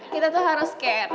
kita tuh harus care